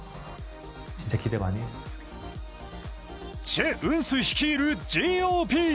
チェ・ウンス率いるＧ．Ｏ．Ｐ。